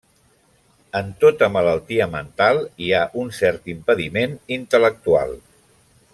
En tota malaltia mental hi ha un cert impediment intel·lectual.